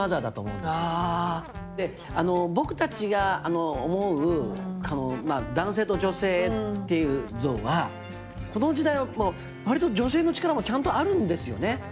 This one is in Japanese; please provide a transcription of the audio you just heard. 僕たちが思う男性と女性っていう像はこの時代は割と女性の力もちゃんとあるんですよね。